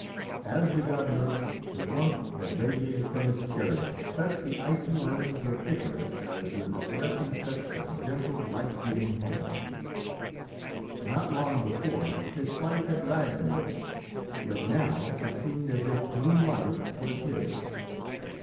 As the god looked, the warmth that radiated from his chariot touched the icy limbs of Icarus as with the caressing touch of gentle, life giving hands. Not long before, his flight had lagged a little, but now it seemed as if new life was his.